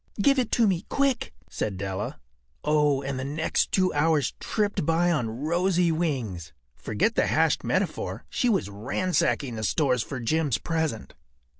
“Give it to me quick,” said Della. Oh, and the next two hours tripped by on rosy wings. Forget the hashed metaphor. She was ransacking the stores for Jim’s present.